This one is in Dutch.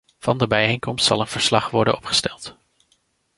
Van de bijeenkomst zal een verslag worden opgesteld.